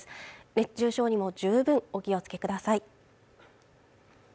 熱中症にも十分お気をつけください